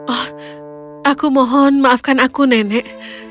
oh aku mohon maafkan aku nenek